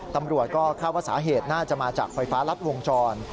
ตำรวจก็คาดว่าสาเหตุน่าจะมาจากไฟฟ้ารัดวงจร